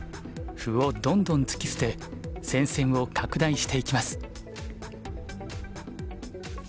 歩をどんどん突き捨て戦線を拡大していきます。